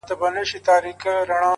لاري د مغولو چي سپرې سوې پر کېږدیو!.